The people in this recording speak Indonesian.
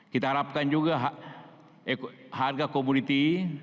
kita harapkan juga harga komoditi